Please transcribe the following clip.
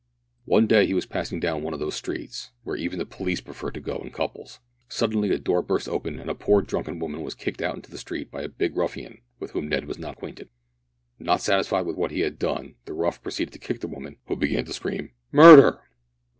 One day he was passing down one of those streets where even the police prefer to go in couples. Suddenly a door burst open and a poor drunken woman was kicked out into the street by a big ruffian with whom Ned was not acquainted. Not satisfied with what he had done, the rough proceeded to kick the woman, who began to scream "murder!"